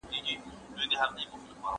خلکو ته په خیر رسولو کې عجیبه خوند دی.